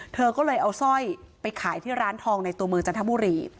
เธอก็เลยเอาสร้อยไปขายที่ร้านทองในตัวเมืองจันทบุรี